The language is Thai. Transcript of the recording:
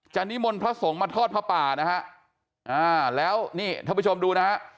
จะนิมลพระสงฆ์มาทอดพระป่าแล้วท่านผู้ชมดูนะ